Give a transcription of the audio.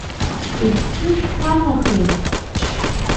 Уԥсы шԥаҭахеи?